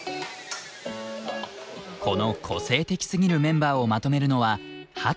この個性的すぎるメンバーをまとめるのはＨａｔｃｈさん。